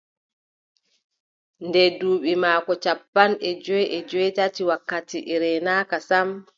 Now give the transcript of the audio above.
Nde duuɓi maako cappanɗe jowi e joweetati, wakkati e reenaaka sam,